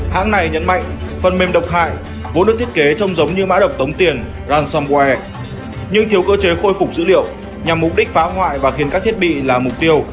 hãng này nhấn mạnh phần mềm độc hại vốn được thiết kế trông giống như mã độc tống tiền ransomware nhưng thiếu cơ chế khôi phục dữ liệu nhằm mục đích phá hoại và khiến các thiết bị là mục tiêu